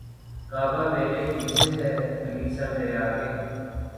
کعبہ مرے پیچھے ہے کلیسا مرے آگے